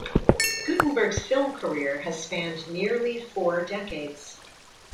Guttenberg's film career has spanned nearly four decades.